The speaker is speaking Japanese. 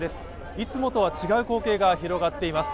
いつもとは違う光景が広がっています。